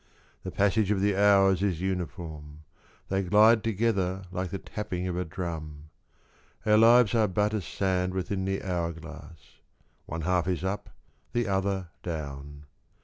The passage of the hours is uniform ; They glide together like the tapping of a drum.— Our lives are but as sand within the hour glass : One half is up, the other down.